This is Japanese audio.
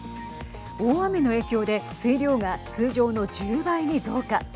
大雨の影響で水量が通常の１０倍に増加。